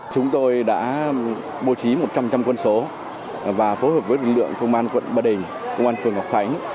chúng tôi đã bố trí một trăm linh quân số và phối hợp với lực lượng công an quận bà đình công an phường ngọc khánh